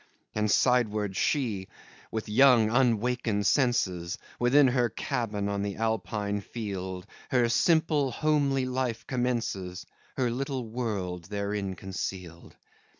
And side wards she, with young unwakened senses, Within her cabin on the Alpine field Her simple, homely life commences, Her little world therein concealed.